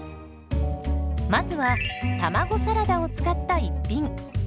まずは卵サラダを使った一品。